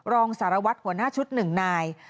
รองสารวัตรหัวหน้าชุด๑นาย